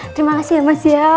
terima kasih ya mas ya